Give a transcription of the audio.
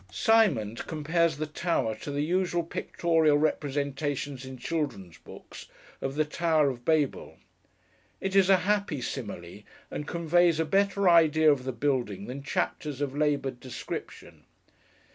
SIMOND compares the Tower to the usual pictorial representations in children's books of the Tower of Babel. It is a happy simile, and conveys a better idea of the building than chapters of laboured description.